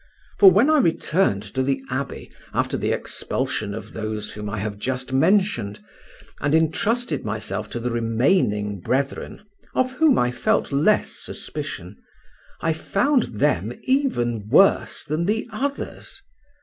For when I returned to the abbey after the expulsion of those whom I have just mentioned, and entrusted myself to the remaining brethren, of whom I felt less suspicion, I found them even worse than the others.